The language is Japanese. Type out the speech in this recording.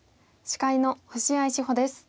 司会の星合志保です。